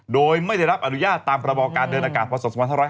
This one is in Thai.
โดยไม่ได้รับอนุญาตตามกระบอการเดินอากาศพศ๒๕๕๙